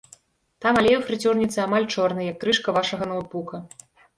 Там алей ў фрыцюрніцы амаль чорны, як крышка вашага ноўтбука.